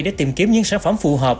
để tìm kiếm những sản phẩm phù hợp